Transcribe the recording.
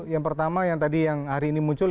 yang pertama yang tadi yang hari ini muncul